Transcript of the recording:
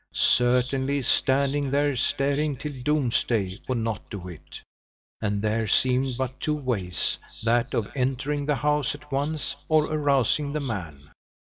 Certainly, standing there staring till doomsday would not do it; and there seemed but two ways, that of entering the house at once or arousing the man.